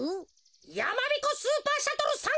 やまびこスーパーシャトル３ごうはっしん！